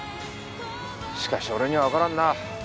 しかし俺にはわからんなあ。